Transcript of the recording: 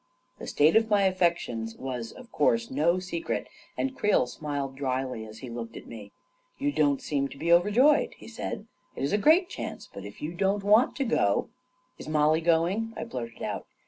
The state °f m Y affections was, of course, no secret, and Creel smiled dryly as he looked at me. " You don't seem to be overjoyed," he said. •'It's a great chance, but if you don't want to go ..." Is Mollie going? " I blurted out.